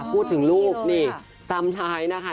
พูดถึงลูกนี่ซ้ำท้ายนะคะ